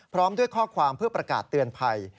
พร้อมด้วยข้อความเพื่อประกาศเตือนภัย